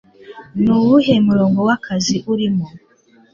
ni uwuhe murongo w'akazi urimo